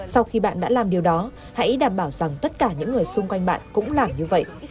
sau khi bạn đã làm điều đó hãy đảm bảo rằng tất cả những người xung quanh bạn cũng làm như vậy